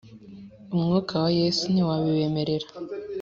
umwuka wa Yesu ntiwabibemerera